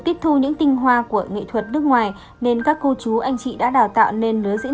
tiếp thu những tinh hoa của nghệ thuật nước ngoài nên các cô chú anh chị đã đào tạo nên nứa diễn